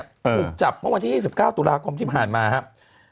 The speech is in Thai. ถูกจับเมื่อวันที่๒๙ตุลาคมที่ผ่านมาครับ